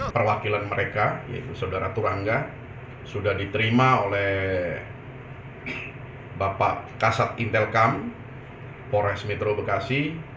perwakilan mereka yaitu saudara turangga sudah diterima oleh bapak kasat intelkam pores metro bekasi